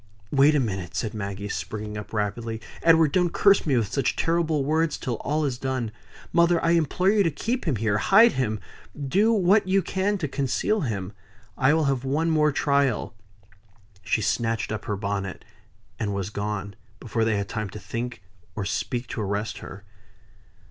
"Wait a minute!" said Maggie, springing up, rapidly. "Edward, don't curse me with such terrible words till all is done. Mother, I implore you to keep him here. Hide him do what you can to conceal him. I will have one more trial." She snatched up her bonnet, and was gone, before they had time to think or speak to arrest her.